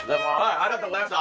ありがとうございます。